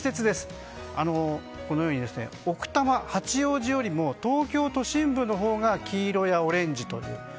このように奥多摩、八王子よりも東京都心部のほうが黄色やオレンジという。